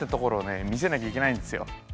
見せなきゃいけないんですよ。